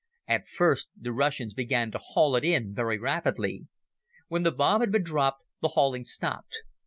At first the Russians began to haul it in very rapidly. When the bomb had been dropped the hauling stopped.